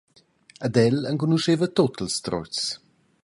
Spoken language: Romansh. Ed el enconuscheva ils trutgs.